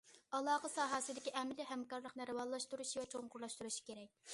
ئالاقە ساھەسىدىكى ئەمەلىي ھەمكارلىقنى راۋانلاشتۇرۇشى ۋە چوڭقۇرلاشتۇرۇشى كېرەك.